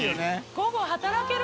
午後働ける？